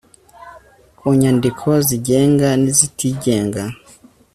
ku nyandiko zigenga nizitigenga